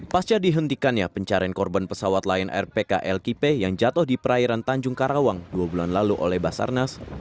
pasca dihentikannya pencarian korban pesawat lion air pklkp yang jatuh di perairan tanjung karawang dua bulan lalu oleh basarnas